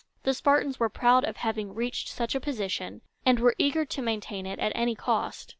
The Spartans were proud of having reached such a position, and were eager to maintain it at any cost.